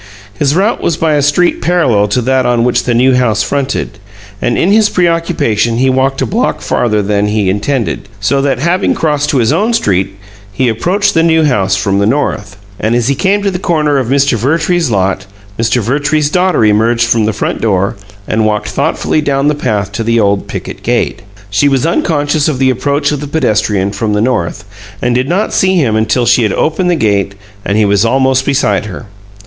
His route was by a street parallel to that on which the New House fronted, and in his preoccupation he walked a block farther than he intended, so that, having crossed to his own street, he approached the New House from the north, and as he came to the corner of Mr. Vertrees's lot Mr. Vertrees's daughter emerged from the front door and walked thoughtfully down the path to the old picket gate. She was unconscious of the approach of the pedestrian from the north, and did not see him until she had opened the gate and he was almost beside her.